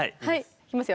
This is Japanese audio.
いきますよ。